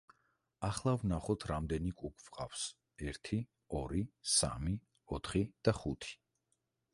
ახლა ვნახოთ რამდენი კუ გვყავს: ერთი, ორი, სამი, ოთხი და ხუთი.